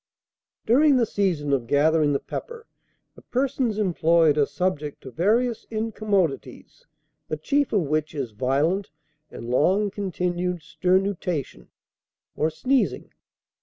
"During the season of gathering the pepper, the persons employed are subject to various incommodities, the chief of which is violent and long continued sternutation, or sneezing.